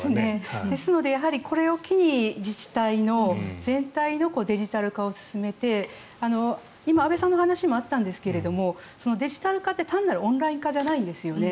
ですのでこれを機に自治体全体のデジタル化を進めて今、安部さんの話にもあったんですがデジタル化って単なるオンライン化じゃないんですよね。